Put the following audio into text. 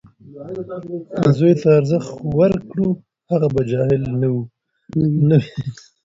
که زوی ته ارزښت ورکړو، هغه به جاهل نه وي.